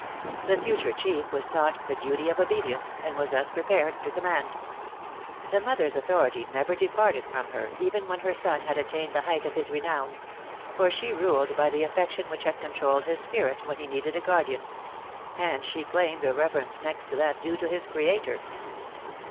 The future chief was taught the duty of obedience, and was thus prepared to command. The mother's authority never departed from her, even when her son had attained the height of his renown; for she ruled by the affection which had controlled his spirit when he needed a guardian; and she claimed a reverence next to that due to his Creator.